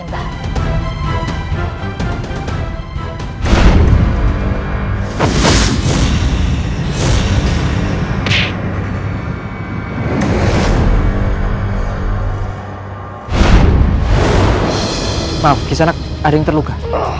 maaf kisanak ada yang terluka